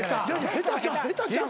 下手ちゃう下手ちゃう。